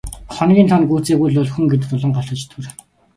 Хоногийн тоо нь гүйцээгүй л бол хүн гэдэг долоон голтой чөтгөр.